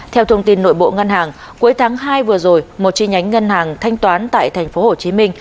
theo thông tin nội bộ ngân hàng cuối tháng hai vừa rồi một chi nhánh ngân hàng thanh toán tại tp hcm